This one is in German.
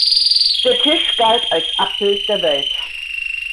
Der Tisch galt als Abbild der Welt.